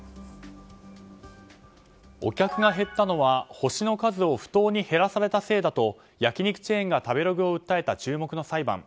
お客が減ったのは星の数を不当に減らされたせいだと焼き肉チェーンが食べログを訴えた注目の裁判。